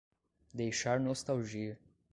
Deixar nostalgia